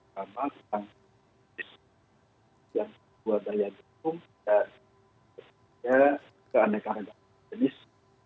pertama tentang kondisi yang berbuat dari agung dan ketiga keanekaan jenis